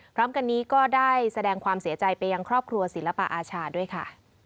พร้อมกันนี้ก็ได้แสดงความเสียใจไปยังครอบครัวศิลปอาชาด้วยค่ะ